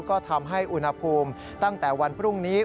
ก็ทำให้อุณหภูมิตั้งแต่วันพรุ่งนี้